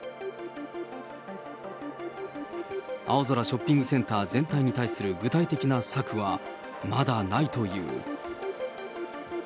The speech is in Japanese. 青空ショッピングセンター全体に対する具体的な策はまだないという。